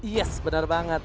yes benar banget